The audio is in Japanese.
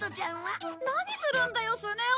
何するんだよスネ夫！